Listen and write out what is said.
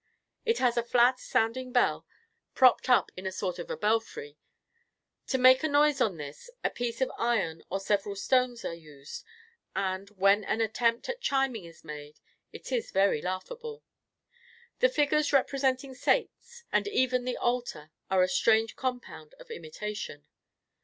It has a flat sounding bell, propped up in a sort of a belfry. To make a noise on this, a piece of iron, or several stones are used; and, when an attempt at chiming is made, it is very laughable. The figures representing saints, and even the altar, are a strange compound of imitation.